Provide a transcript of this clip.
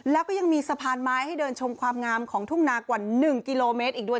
แล้วก็ยังมีสะพานไม้ให้เดินชมความงามของทุ่งนากว่า๑กิโลเมตรอีกด้วย